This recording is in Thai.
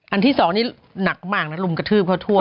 ที่สองนี่หนักมากนะลุมกระทืบเขาทั่ว